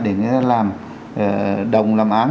để người ta làm đồng làm án